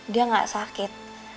dia gak sakit